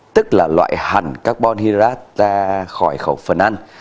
tức là loại hẳn carbon hydrat ra khỏi khẩu phần ăn